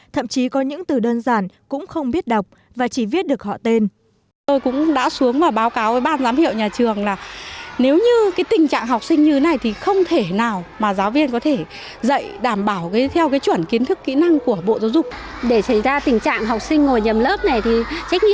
thậm chí có những từ đơn giản cũng không biết đọc và chỉ viết được họ tên